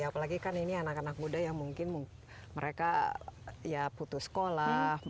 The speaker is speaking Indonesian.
apalagi kan ini anak anak muda yang mungkin mereka ya putus sekolah